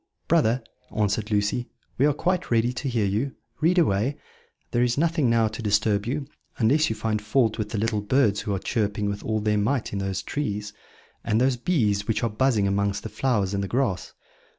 "Brother," answered Lucy, "we are quite ready to hear you read away; there is nothing now to disturb you, unless you find fault with the little birds who are chirping with all their might in these trees, and those bees which are buzzing amongst the flowers in the grass."